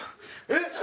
えっ！